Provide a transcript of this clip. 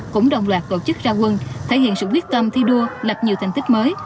cũng đồng loạt tổ chức ra quân thể hiện sự quyết tâm thi đua lập nhiều thành tích mới